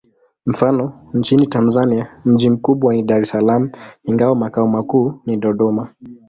Mfano: nchini Tanzania mji mkubwa ni Dar es Salaam, ingawa makao makuu ni Dodoma.